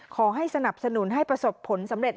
ขอให้สนับสนุนให้ประสบผลสำเร็จ